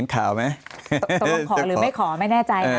ตรงขอหรือไม่ขอไม่แน่ใจท่าน